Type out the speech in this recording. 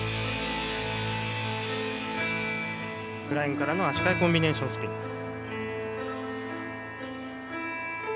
フライングからの足換えコンビネーションスピン。